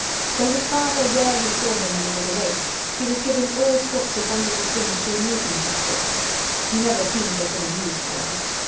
Though his father rarely saw him when he was awake, he was given all sorts of wonderful things to amuse himself with. He never seemed to have been amused, however.